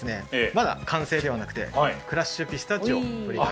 まだ完成ではなくてクラッシュピスタチオ振りかけます。